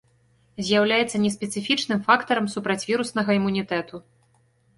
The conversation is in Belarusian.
З'яўляецца неспецыфічным фактарам супрацьвіруснага імунітэту.